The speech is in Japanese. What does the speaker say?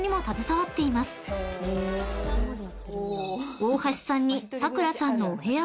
［大橋さんに］